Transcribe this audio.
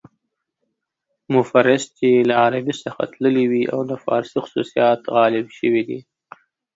مفرس چې له عربي څخه تللي وي او د فارسي خصوصیات غالب شوي دي.